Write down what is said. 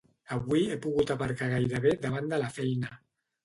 Avui he pogut aparcar gairebé davant de la feina